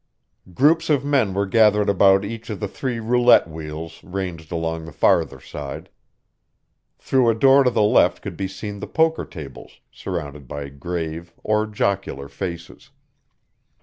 Groups of men were gathered about each of the three roulette wheels ranged along the farther side. Through a door to the left could be seen the poker tables, surrounded by grave or jocular faces.